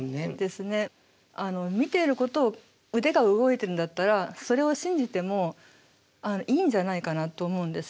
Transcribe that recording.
見ていることを腕が動いてるんだったらそれを信じてもいいんじゃないかなと思うんですよ。